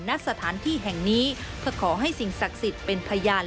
ณสถานที่แห่งนี้เพื่อขอให้สิ่งศักดิ์สิทธิ์เป็นพยาน